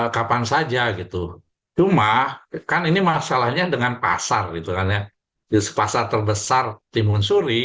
kapan saja gitu cuma kan ini masalahnya dengan pasar gitu kan ya pasar terbesar timun suri